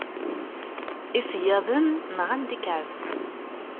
Iseyyaḍen nɣan-d ikεeb.